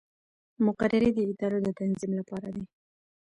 مقررې د ادارو د تنظیم لپاره دي